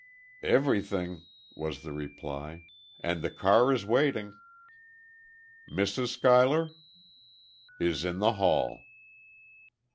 "Everything," was the reply. "And the car is waiting." "Mrs. Schuyler?" "Is in the hall."